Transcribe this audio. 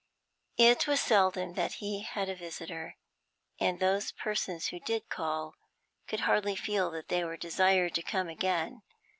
It was seldom that he had a visitor, and those persons who did call could hardly feel that they were desired to come again.